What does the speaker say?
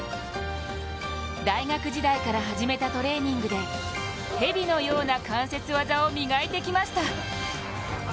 大学時代から始めたトレーニングで蛇のような関節技を磨いてきました。